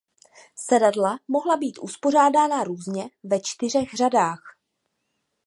Sedadla mohla být uspořádána různě ve čtyřech řadách.